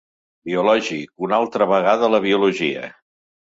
Biològic, una altra vegada la biologia.